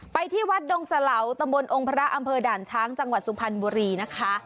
ที่วัดดงสะเหลาตะบนองค์พระอำเภอด่านช้างจังหวัดสุพรรณบุรีนะคะ